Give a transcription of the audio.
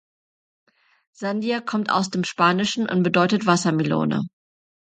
Sandia kommt aus dem Spanischen und bedeutet Wassermelone.